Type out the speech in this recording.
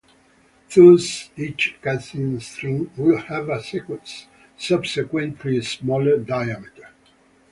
Thus, each casing string will have a subsequently smaller diameter.